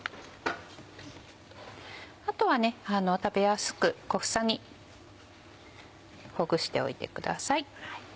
あとは食べやすく小房にほぐしておいてください。